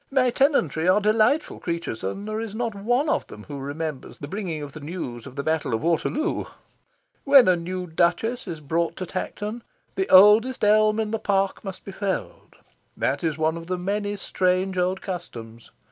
My tenantry are delightful creatures, and there is not one of them who remembers the bringing of the news of the Battle of Waterloo. When a new Duchess is brought to Tankerton, the oldest elm in the park must be felled. That is one of many strange old customs.